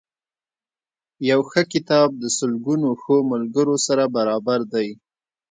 یو ښه کتاب د سلګونو ښو ملګرو سره برابر دی.